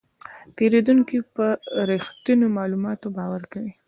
پیرودونکی په رښتینو معلوماتو باور کوي.